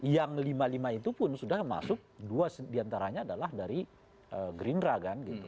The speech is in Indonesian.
yang lima puluh lima itu pun sudah masuk dua diantaranya adalah dari gerindra kan gitu